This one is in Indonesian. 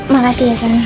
makasih ya san